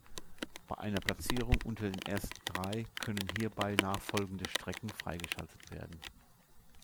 Bei einer Platzierung unter den ersten Drei können hierbei nachfolgende Strecken freigeschaltet werden.